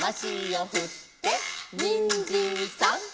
「にんじんさん」